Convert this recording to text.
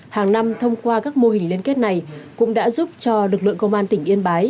hàng năm thông qua các mô hình liên kết này cũng đã giúp cho lực lượng công an tỉnh yên bái